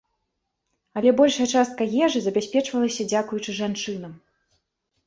Але большая частка ежы забяспечвалася дзякуючы жанчынам.